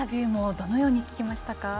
どのように聞きましたか。